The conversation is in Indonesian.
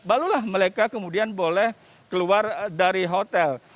barulah mereka kemudian boleh keluar dari hotel